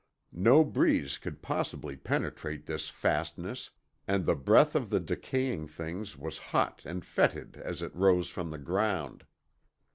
No breeze could possibly penetrate this fastness, and the breath of the decaying things was hot and fetid as it rose from the ground.